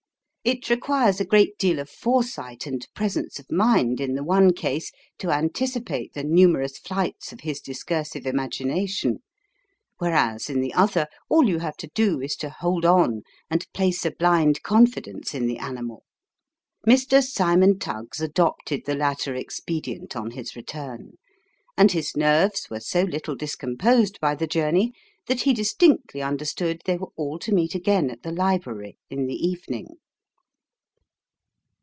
It requires a great deal of foresight and presence of mind in the one case, to anticipate the numerous flights of his discursive imagination ; whereas, in the other, all you havo to do is, to hold on, and place a blind confidence in the animal. Mr. Cymon Tuggs adopted the latter expedient on his return ; and his nerves were so little discomposed by the journey, that he distinctly understood they were all to meet again at the library in the evening.